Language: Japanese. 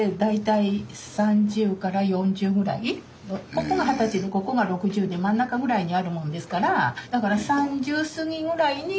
ここが二十歳でここが６０で真ん中ぐらいにあるもんですから。